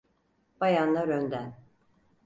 Bayanlar önden.